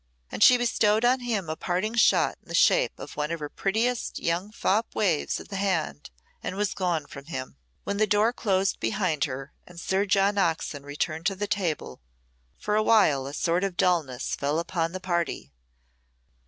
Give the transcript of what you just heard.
And she bestowed on him a parting shot in the shape of one of her prettiest young fop waves of the hand, and was gone from him. When the door closed behind her and Sir John Oxon returned to the table, for a while a sort of dulness fell upon the party.